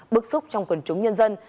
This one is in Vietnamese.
bức xúc trong quần chúng nhân dân